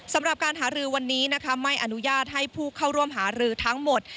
สำหรับการหารือวันนี้นะคะไม่อนุญาตให้ผู้เข้าร่วมหารือทั้งหมด